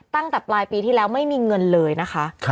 ตั้งแต่ปลายปีที่แล้วไม่มีเงินเลยนะคะ